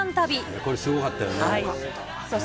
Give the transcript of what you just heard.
これ、すごかったよね。